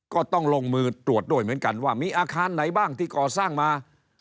ก็ต้องลงมือตรวจด้วยเหมือนกันว่ามีอาคารไหนบ้างที่ก่อสร้างมา